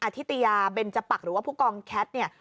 ธิตยาเบนจปักหรือว่าผู้กองแคทเนี่ย